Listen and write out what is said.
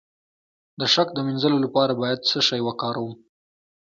د شک د مینځلو لپاره باید څه شی وکاروم؟